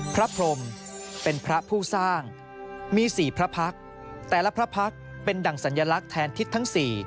พระพรมเป็นพระผู้สร้างมี๔พระพักษ์แต่ละพระพักษ์เป็นดั่งสัญลักษณ์แทนทิศทั้ง๔